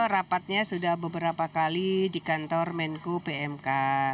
rapatnya sudah beberapa kali di kantor menko pmk